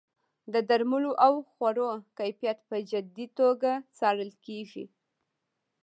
د درملو او خوړو کیفیت په جدي توګه څارل کیږي.